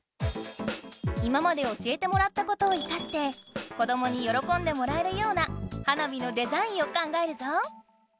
今まで教えてもらったことを生かして子どもに喜んでもらえるような花火のデザインを考えるぞ！